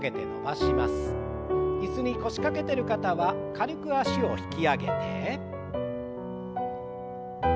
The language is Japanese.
椅子に腰掛けてる方は軽く脚を引き上げて。